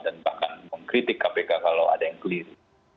dan bahkan mengkritik kpk kalau ada yang keliru